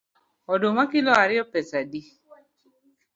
Oduma kilo ariyo pesa adi?